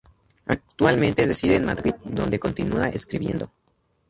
Actualmente reside en Madrid, donde continúa escribiendo.